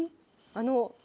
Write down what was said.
あの。